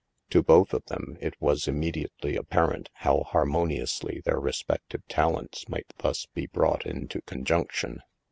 To both of them it was immediately apparent how harmoniously their respective talents might thus be brought into conjunction.